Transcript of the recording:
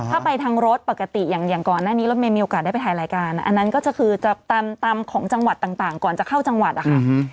ถ้าไปทางรถปกติอย่างก่อนหน้านี้รถเมย์มีโอกาสได้ไปถ่ายรายการอันนั้นก็คือจะตามของจังหวัดต่างก่อนจะเข้าจังหวัดอะค่ะ